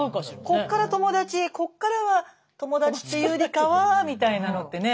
こっから友達こっからは友達っていうよりかはみたいなのってね。